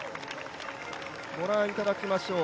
ご覧いただきましょう。